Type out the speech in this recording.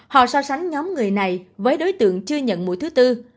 họ so sánh nhóm người này với đối tượng chưa nhận mũi thứ tư